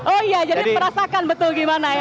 oh iya jadi merasakan betul gimana ya